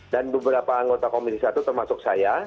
dan beberapa anggota komisi satu termasuk saya